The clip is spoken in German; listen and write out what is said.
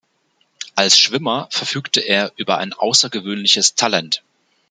Als Schwimmer verfügte er über ein außergewöhnliches Talent.